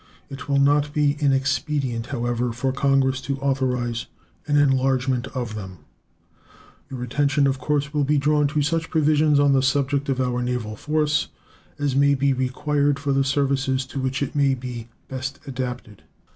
It will not be inexpedient, however, for Congress to authorize an enlargement of them. Your attention will of course be drawn to such provisions on the subject of our naval force as may be required for the services to which it may be best adapted.